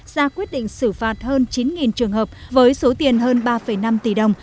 ra quyết định xử phạt hơn chín trường hợp với số tiền hơn ba năm tỷ đồng